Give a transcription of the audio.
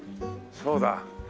そうだ